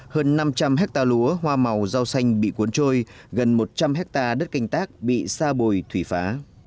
hơn năm trăm linh hectare lúa hoa màu rau xanh bị cuốn trôi gần một trăm linh hectare đất canh tác bị sa bồi thủy phá